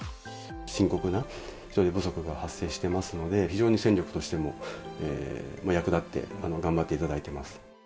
深刻な人手不足が発生してますので、非常に戦力としても役立って頑張っていただいてます。